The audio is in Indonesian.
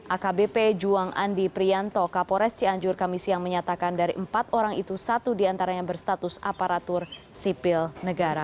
akbp juang andi prianto kapolres cianjur kami siang menyatakan dari empat orang itu satu diantaranya berstatus aparatur sipil negara